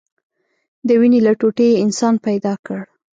د وينې له ټوټې يې انسان پيدا كړ.